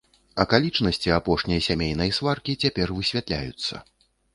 Акалічнасці апошняй сямейнай сваркі цяпер высвятляюцца.